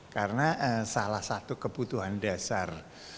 karena salah satu kebutuhan dasar